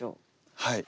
はい。